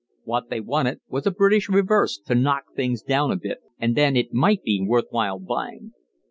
What they wanted was a British reverse to knock things down a bit, and then it might be worth while buying.